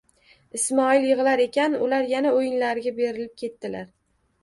Ismoil yig'lar ekan, ular yana o'yinlariga berilib ketdilar.